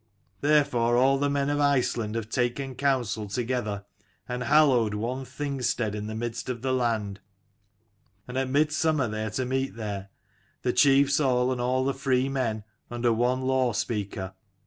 Therefore all the men of Iceland have taken counsel together, and hallowed one Thing stead in the midst of the land; and at mid summer they are to meet there, the chiefs all and all the free men, under one law speaker.